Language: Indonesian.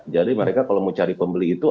jadi mereka kalau mau cari pembeli itu